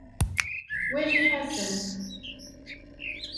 Wali Ḥasan.